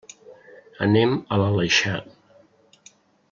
Anem a l'Aleixar.